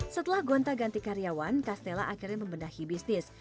setelah gonta ganti karyawan castella akhirnya membenahi bisnis